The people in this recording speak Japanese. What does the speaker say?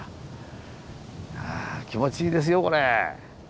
気持ちいいですよこれ。